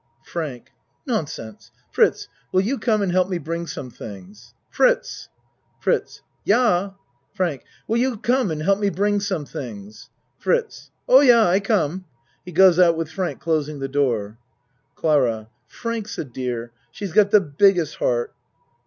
FRANK Nonsense! Fritz, will you come and help me bring some things? Fritz! FRITZ Yah? FRANK Will you come and help me bring some things? FRITZ Oh, yah, I come. (He goes out with Frank closing the door.) CLARA Frank's a dear. She's got the biggest heart.